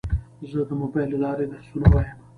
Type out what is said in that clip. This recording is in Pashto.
زه د موبایل له لارې درسونه وایم.